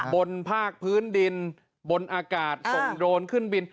บนภาคพื้นดินบนอากาศส่งโดรนขึ้นบิน